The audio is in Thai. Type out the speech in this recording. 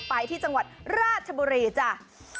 ไปที่จังหวัดราชบุรีจ้ะ